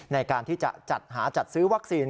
ในการที่จะจัดหาจัดซื้อวัคซีน